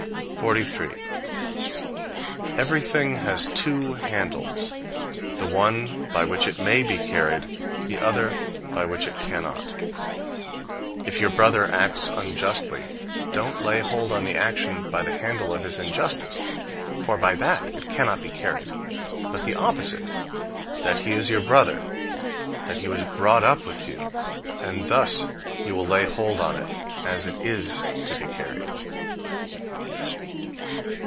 43. Everything has two handles, the one by which it may be carried, the other by which it cannot. If your brother acts unjustly, don't lay hold on the action by the handle of his injustice, for by that it cannot be carried; but by the opposite, that he is your brother, that he was brought up with you; and thus you will lay hold on it, as it is to be carried.